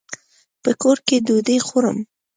په کور کي ډوډۍ خورم.